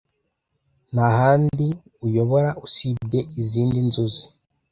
Nta handi uyobora usibye izindi nzuzi